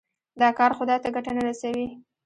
دا کار خدای ته ګټه نه رسوي.